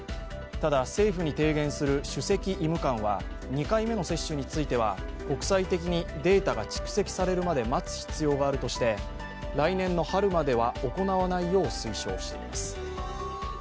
ただ、政府に提言する主席医務官は２回目の接種については国際的にデータが蓄積されるまで待つ必要があるとして、来年の春までは行わないよう推奨しています。